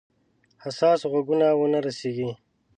حساسو غوږونو ونه رسیږي.